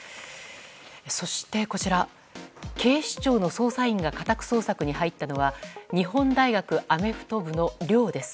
そして、警視庁の捜査員が家宅捜索に入ったのは日本大学アメフト部の寮です。